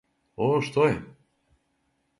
О, што је?